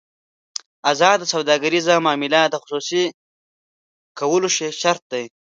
ازاده سوداګریزه معامله د خصوصي کولو شرط ده.